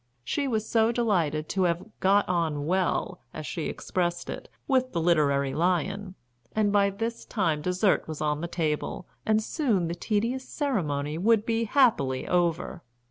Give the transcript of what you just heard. She was so delighted to have "got on well," as she expressed it, with the literary lion, and by this time dessert was on the table, and soon the tedious ceremony would be happily over.